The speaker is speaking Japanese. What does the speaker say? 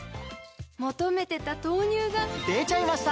求めてた豆乳がでちゃいました！